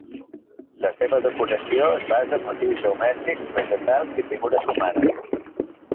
La seva decoració es basa en motius geomètrics, vegetals i figures humanes.